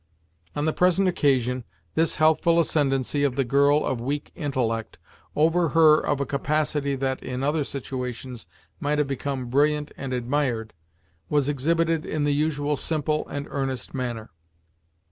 On the present occasion, this healthful ascendancy of the girl of weak intellect, over her of a capacity that, in other situations, might have become brilliant and admired, was exhibited in the usual simple and earnest manner.